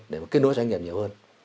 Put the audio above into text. để mà kết nối doanh nghiệp nhiều hơn